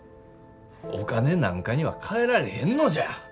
お金なんかにはかえられへんのじゃ。